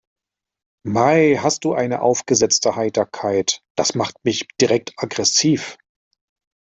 Mei, hast du eine aufgesetzte Heiterkeit, das macht mich direkt aggressiv.